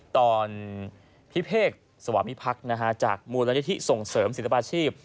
ตอนพิเภกสวามิพักษ์จากมูลนิธิส่งเสริมศิลปาชีพ